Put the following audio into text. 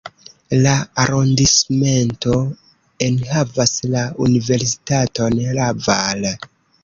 La arondismento enhavas la universitaton Laval.